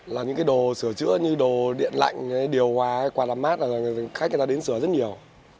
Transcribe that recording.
là những cái đồ sửa chữa như đồ điện lạnh điều hòa quạt đắm mát là khách người ta đến sửa rất nhiều